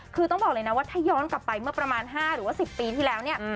คือต้องบอกเลยนะว่าถ้าย้อนกลับไปเมื่อประมาณ๕หรือว่า๑๐ปีที่แล้วเนี่ย